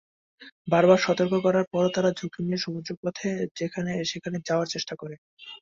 বারবার সতর্ক করার পরও তারা ঝুঁকি নিয়ে সমুদ্রপথে সেখানে যাওয়ার চেষ্টা করে।